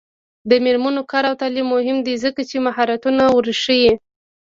د میرمنو کار او تعلیم مهم دی ځکه چې مهارتونه ورښيي.